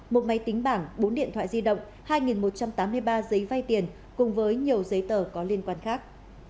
một máy tính bảng bốn điện thoại di động hai một trăm tám mươi ba giấy vay tiền cùng với nhiều giấy tờ có liên quan khác